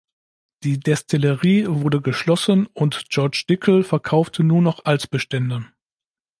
Die Destillerie wurde geschlossen, und George Dickel verkaufte nur noch Altbestände.